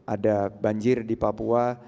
ada banjir di papua